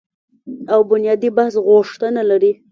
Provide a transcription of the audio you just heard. او بنیادي بحث غوښتنه لري